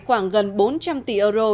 khoảng gần bốn trăm linh tỷ euro